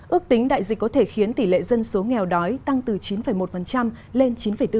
ước tính đại dịch có thể khiến tỷ lệ dân số nghèo đói tăng từ chín một lên chín bốn